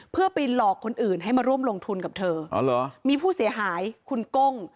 เพื่อไปหลอกคนอื่นให้มาร่วมลงทุนกับเธอมีผู้เสียหายคุณก้ง